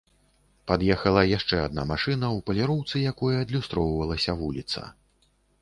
Пад'ехала яшчэ адна машына, у паліроўцы якой адлюстроўвалася вуліца.